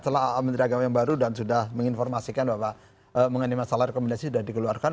setelah menteri agama yang baru dan sudah menginformasikan bahwa mengenai masalah rekomendasi sudah dikeluarkan